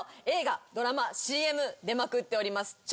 映画ドラマＣＭ出まくっております。